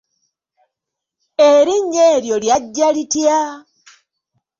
Erinnya eryo lyajja litya?